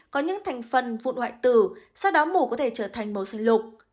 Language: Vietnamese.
có những thành phần vụn hoại tử sau đó mổ có thể trở thành màu xanh lục